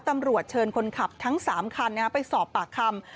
ตำรวจเชิญคนขับทั้ง๓คันไปสอบปากคำ